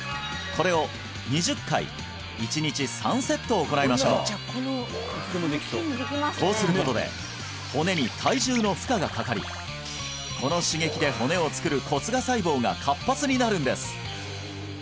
これを行いましょうこうすることで骨に体重の負荷がかかりこの刺激で骨を作る骨芽細胞が活発になるんです